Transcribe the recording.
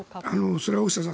それは大下さん